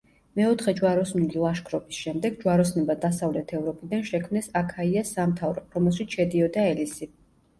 მეოთხე ჯვაროსნული ლაშქრობის შემდეგ, ჯვაროსნებმა დასავლეთ ევროპიდან შექმნეს აქაიას სამთავრო, რომელშიც შედიოდა ელისი.